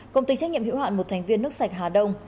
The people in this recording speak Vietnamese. công ty trách nhiệm hữu hạn một thành viên nước sạch hà đông